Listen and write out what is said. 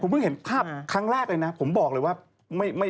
เพิ่งเห็นภาพครั้งแรกเลยนะผมบอกเลยว่า